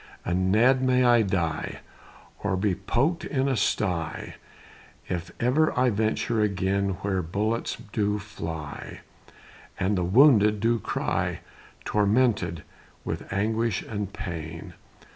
And Ned, may I die, Or be pok'd in a sty, If ever I venture again Where bullets do fly, And the wounded do cry, Tormented with anguish and pain.